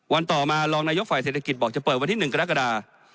ต่อมารองนายกฝ่ายเศรษฐกิจบอกจะเปิดวันที่๑กรกฎา